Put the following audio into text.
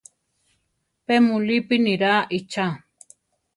Pe mulípi niráa ichá.